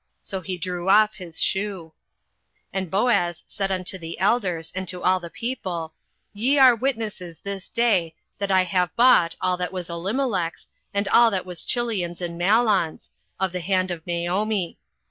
So he drew off his shoe. 08:004:009 And Boaz said unto the elders, and unto all the people, Ye are witnesses this day, that I have bought all that was Elimelech's, and all that was Chilion's and Mahlon's, of the hand of Naomi.